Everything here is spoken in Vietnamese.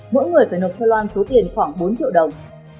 mỗi người phải nộp cho loan số tiền khoảng bốn triệu đồng